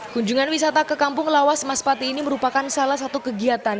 kunjungan wisata ke kampung lawas mas pati ini merupakan salah satu kegiatan